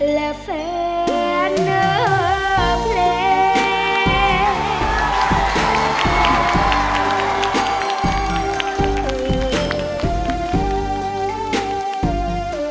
และแฟนเนอร์เพลง